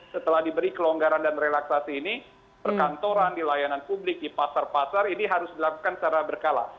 setelah diberi kelonggaran dan relaksasi ini perkantoran di layanan publik di pasar pasar ini harus dilakukan secara berkala